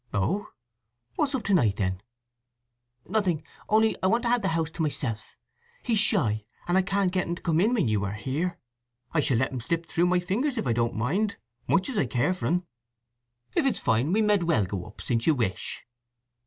"Oh? What's up to night, then?" "Nothing. Only I want the house to myself. He's shy; and I can't get un to come in when you are here. I shall let him slip through my fingers if I don't mind, much as I care for 'n!" "If it is fine we med as well go, since you wish."